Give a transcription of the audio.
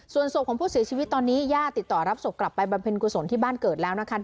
ส่วนศพของผู้เสียชีวิตตอนนี้ญาติติดต่อรับศพกลับไปบำเพ็ญกุศลที่บ้านเกิดแล้วนะคะ